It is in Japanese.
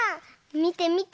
みてみて。